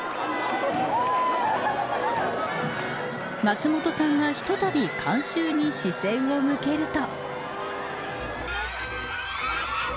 松本さんがひとたび観衆に視線を向けると。